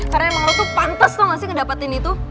karena emang lo tuh pantes tau nggak sih ngedapetin itu